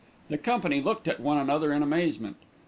The company looked at one another in amazement.